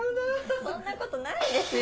・・そんなことないですよ・